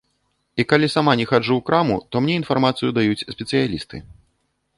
І калі сама не хаджу ў краму, то мне інфармацыю даюць спецыялісты.